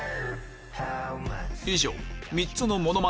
以上３つのモノマネ